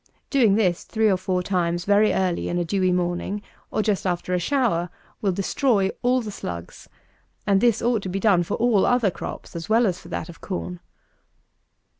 Doing this three or four times very early in a dewy morning, or just after a shower, will destroy all the slugs; and this ought to be done for all other crops as well as for that of corn.